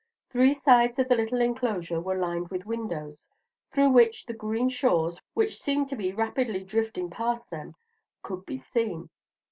Three sides of the little enclosure were lined with windows, through which the green shores, which seemed to be rapidly drifting past them, could be seen.